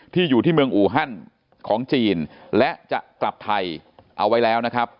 อยู่ที่เมืองอูฮันของจีนและจะกลับไทยเอาไว้แล้วนะครับ